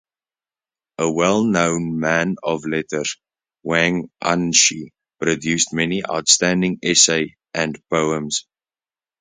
A well-known man-of-letters, Wang Anshi produced many outstanding essays and poems.